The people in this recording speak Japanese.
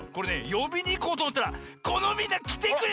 よびにいこうとおもったらこのみんなきてくれました。